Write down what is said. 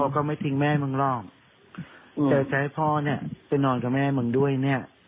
ก็ไม่ทิ้งแม่มึงหรอกจะใช้พ่อเนี่ยไปนอนกับแม่มึงด้วยเนี่ย